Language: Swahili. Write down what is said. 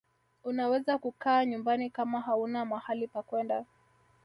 unaweza kukaa nyumbani kama hauna mahali pakwenda